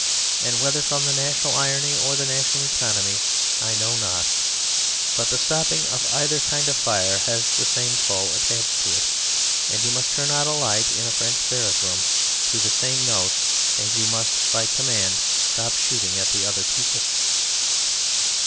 And whether from the national irony or the national economy, I know not, but the stopping of either kind of fire has the same call attached to it, and you must turn out a light in a French barrack room to the same notes as you must by command stop shooting at the other people.